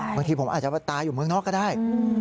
บางทีผมอาจจะตายอยู่เมืองนอกก็ได้